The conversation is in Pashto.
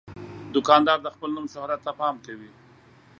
دوکاندار د خپل نوم شهرت ته پام کوي.